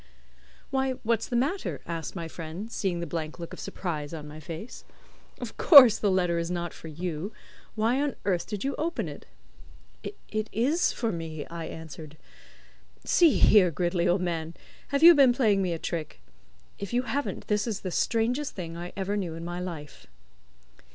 "Why, what's the matter?" asked my friend, seeing the blank look of surprise on my face. "Of course the letter is not for you; why on earth did you open it?" "It is for me," I answered. "See here, Gridley, old man; have you been playing me a trick? If you haven't, this is the strangest thing I ever knew in my life."